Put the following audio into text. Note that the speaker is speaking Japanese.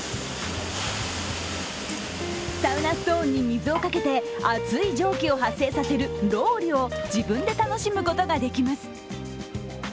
サウナストーンに水をかけて熱い蒸気を発生させるロウリュを自分で楽しむことができます。